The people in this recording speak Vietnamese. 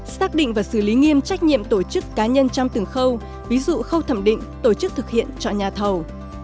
xác định và xử lý nghiêm trách nhiệm tổ chức cá nhân trong từng khâu ví dụ khâu thẩm định tổ chức thực hiện chọn nhà thầu